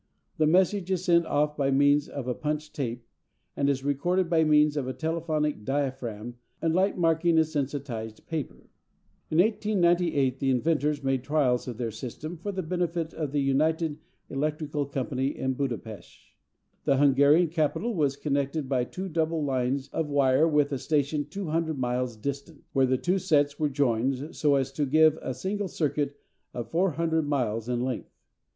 The message is sent off by means of a punched tape, and is recorded by means of a telephonic diaphragm and light marking a sensitised paper. In 1898 the inventors made trials of their system for the benefit of the United Electrical Company of Buda Pesth. The Hungarian capital was connected by two double lines of wire with a station 200 miles distant, where the two sets were joined so as to give a single circuit of 400 miles in length.